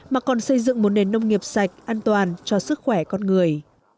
mà còn xây dựng một nền nông nghiệp sạch an toàn cho sức khỏe con người